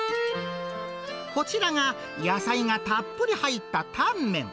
こちらが、野菜がたっぷり入ったタンメン。